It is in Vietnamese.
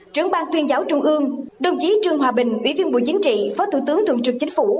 trưởng ban tuyên giáo trung ương đồng chí trương hòa bình ủy viên bộ chính trị phó thủ tướng thường trực chính phủ